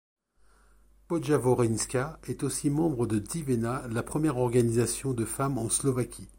Podjavorinská est aussi membre de Živena, la première organisation de femmes en Slovaquie.